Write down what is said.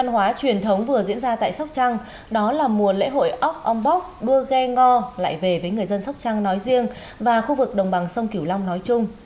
ngo lại về với người dân sóc trăng nói riêng và khu vực đồng bằng sông kiểu long nói chung